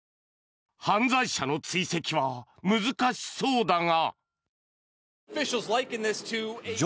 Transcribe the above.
犯罪者の追跡は難しそうだが。